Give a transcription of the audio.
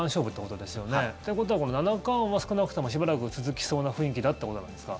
ということは七冠は少なくともしばらく続きそうな雰囲気だってことなんですか？